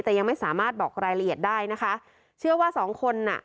แต่ยังไม่สามารถบอกรายละเอียดได้นะคะเชื่อว่าสองคนน่ะ